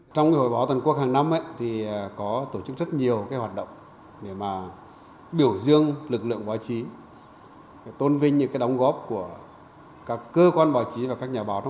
trong hội báo toàn quốc hàng năm thì có tổ chức rất nhiều hoạt động để biểu dương lực lượng báo chí tôn vinh những đóng góp của các cơ quan báo chí và các nhà báo